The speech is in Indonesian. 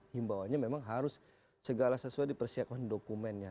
himbaunya memang harus segala sesuai di persiapkan dokumennya